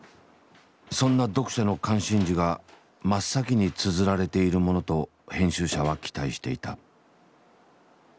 そんな読者の関心事が真っ先につづられているものと編集者は期待していた。